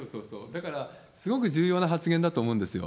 だからすごく重要な発言だと思うんですよ。